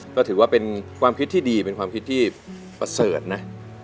ก็ถือว่าเป็นความคิดที่ดีเป็นความคิดที่ประเสริฐนะ